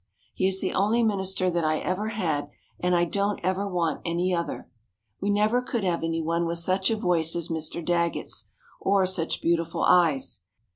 He is the only minister that I ever had, and I don't ever want any other. We never could have any one with such a voice as Mr. Daggett's, or such beautiful eyes.